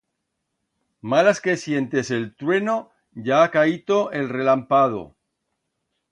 Malas que sientes el trueno ya ha caito el relampado.